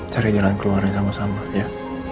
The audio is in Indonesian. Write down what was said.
cari jalan keluarnya sama sama ya